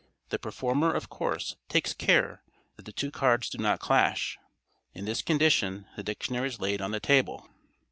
The performer, of course, takes care that the two cards do not clash. In this condition the dictionary is laid on the table.